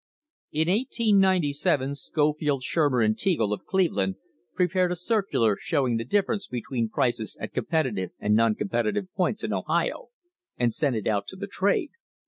* In 1897 Scofield, Shurmer and Teagle, of Cleveland, pre pared a circular showing the difference between prices at com petitive and non competitive points in Ohio, and sent it out to the trade.